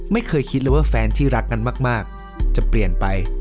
ไม่เคยคิดเลยว่าแฟนที่รักกันมากจะเปลี่ยนไป